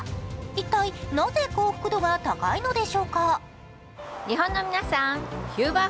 一体なぜ幸福度が高いのでしょうか？